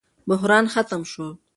بحران ختم شو.